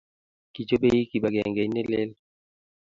kichobei kibagengeit ne leel